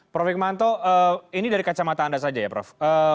prof hikmanto ini dari kacamata anda saja ya prof